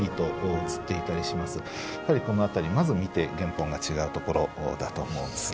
やはりこの辺りまず見て原本が違うところだと思うんですね。